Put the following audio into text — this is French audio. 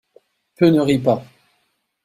Peu ne rient pas.